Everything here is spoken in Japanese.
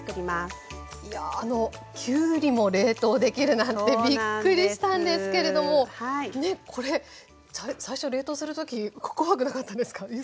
いやあのきゅうりも冷凍できるなんてびっくりしたんですけれどもこれ最初冷凍する時怖くなかったですか？